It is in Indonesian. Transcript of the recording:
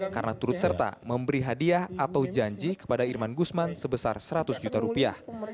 karena turut serta memberi hadiah atau janji kepada irman gusman sebesar seratus juta rupiah